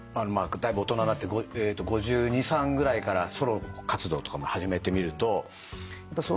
だいぶ大人になって５２５３ぐらいからソロ活動とかも始めてみるとやっぱその自分の。